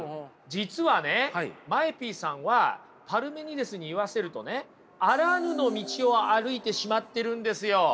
実はねＭＡＥＰさんはパルメニデスに言わせるとねあらぬの道を歩いてしまってるんですよ。